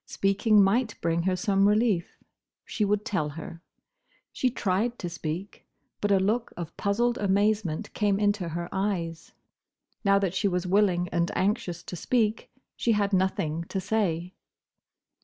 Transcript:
Speaking might bring her some relief. She would tell her. She tried to speak; but a look of puzzled amazement came into her eyes. Now that she was willing and anxious to speak, she had nothing to say.